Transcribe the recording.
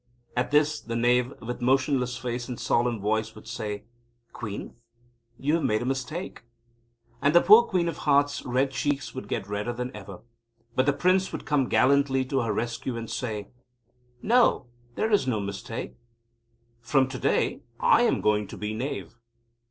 At this, the Knave, with motionless face and solemn voice, would say: "Queen, you have made a mistake." And the poor Queen of Hearts' red cheeks would get redder than ever. But the Prince would come gallantly to her rescue and say: "No! There is no mistake. From to day I am going to be Knave!"